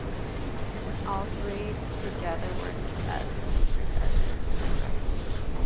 All three together worked as producers, editors and directors.